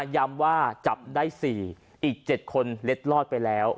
ย้ำว่าจับได้๔อีก๗คนเล็ดลอดไปแล้ว